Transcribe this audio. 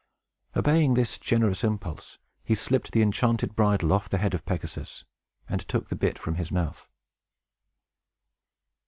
Obeying this generous impulse he slipped the enchanted bridle off the head of Pegasus, and took the bit from his mouth.